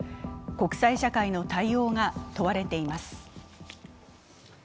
国際社会の対応が問われています。